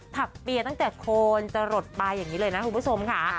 ผักเปียตั้งแต่โคนจะหลดไปอย่างนี้เลยนะคุณผู้ชมค่ะ